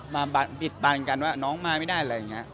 บิดบานกันว่าน้องมาไม่ได้อะไรอย่างนี้